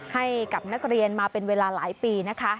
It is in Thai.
ให้กับนักเรียนมาเป็นเวลาหลายปีนะคะ